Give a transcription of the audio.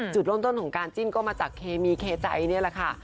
จุดเริ่มต้นของการจิ้นก็มาจากเคมีเคใจนี่แหละค่ะ